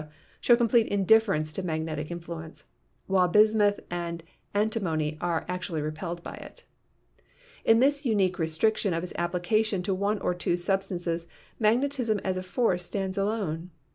show complete indifference to magnetic influence, while bismuth and antimony are actually repelled by it. In this unique restriction of its application to one or two sub stances magnetism as a force stands alone.